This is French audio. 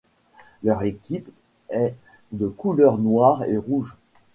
Leur équipe est de couleurs noir et rouge.